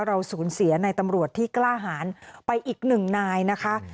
เราสูญเสียในตำรวจที่กล้าหารไปอีกหนึ่งนายนะคะ